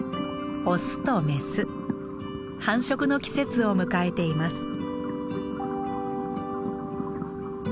オスとメス繁殖の季節を迎えています。